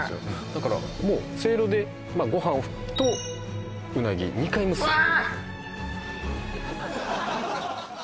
だからもうせいろでご飯とうなぎ２回蒸すわあ！